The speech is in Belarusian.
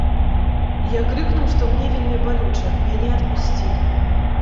Я крыкнуў, што мне вельмі балюча, мяне адпусцілі.